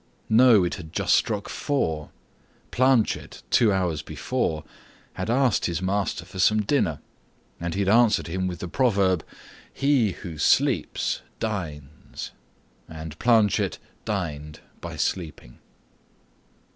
No, it had just struck four. Planchet, two hours before, had asked his master for some dinner, and he had answered him with the proverb, "He who sleeps, dines." And Planchet dined by sleeping.